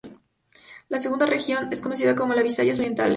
La segunda región es conocida como las Bisayas Orientales.